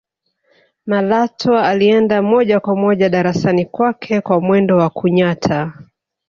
malatwa alienda moja kwa moja darasani kwake kwa mwendo wa kunyata